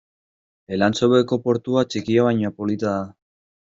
Elantxobeko portua txikia baina polita da.